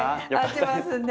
合ってますね。